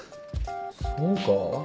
そうか？